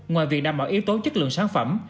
ngoài việc đảm bảo yếu tố chất lượng sản phẩm